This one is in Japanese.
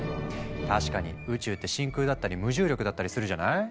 確かに宇宙って真空だったり無重力だったりするじゃない？